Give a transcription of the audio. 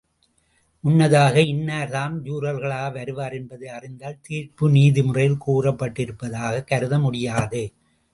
முன்னதாக இன்னார் தாம் ஜூரர்களாக வருவர் என்பதை அறிந்தால் தீர்ப்பு நீதி முறையில் கூறப்பட்டதாகக் கருத முடியாது.